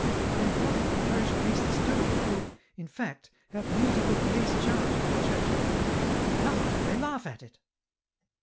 " Then what are the parish priests doing who, in fact, have musical police charge in their churches ? Nothing, they laugh at it.